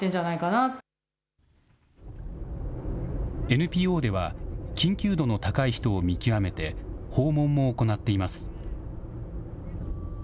ＮＰＯでは、緊急度の高い人を見極めて、訪問も行っています。